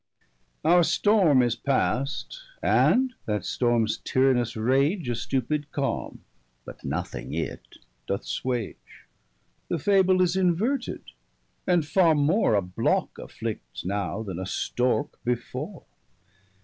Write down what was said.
Our storme is past, and that storms tyrannous rage, A stupid calme, but nothing it, doth swage. The fable is inverted, and farre more A blocke afflicts, now, then a storke before.